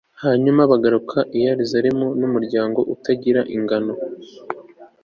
hanyuma bagaruka i yeruzalemu n'iminyago itagira ingano